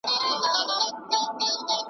خمیر دي جوړ دی له شواخونه .